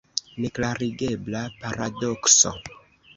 Neklarigebla paradokso!